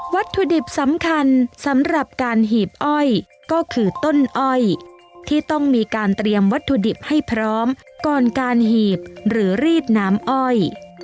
วัตถุดิบสำคัญสำหรับการหีบอ้อยก็คือต้นอ้อยที่ต้องมีการเตรียมวัตถุดิบให้พร้อมก่อนการหีบหรือรีดน้ำอ้อย